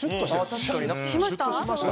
しました？